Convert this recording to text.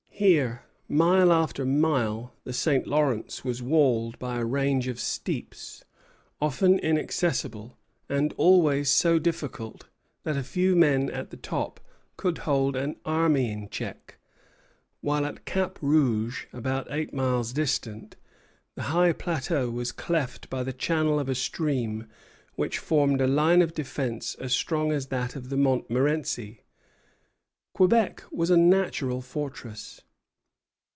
Here, mile after mile, the St. Lawrence was walled by a range of steeps, often inaccessible, and always so difficult that a few men at the top could hold an army in check; while at Cap Rouge, about eight miles distant, the high plateau was cleft by the channel of a stream which formed a line of defence as strong as that of the Montmorenci. Quebec was a natural fortress.